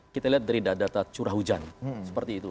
kita lihat dari data curah hujan seperti itu